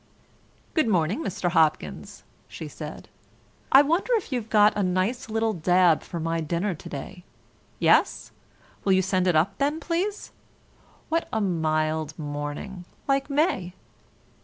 "Good morning, Mr. Hopkins," she said. "I wonder if you've got a nice little dab for my dinner to day? Yes? Will you send it up then, please? What a mild morning, like May!"